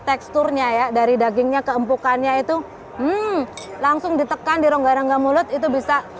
teksturnya ya dari dagingnya keempukannya itu hmm langsung ditekan di rongga rongga mulut itu bisa